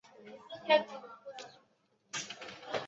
主要从事高分子合成及液晶高分子方面的研究。